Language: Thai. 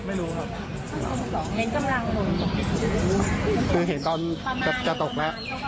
ไม่รู้ครับเห็นกำลังลงคือเห็นตอนจะจะตกแล้ว